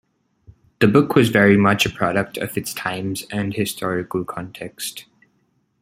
The book was very much a product of its times and historical context.